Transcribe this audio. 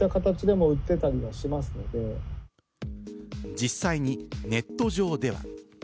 実際にネット上では。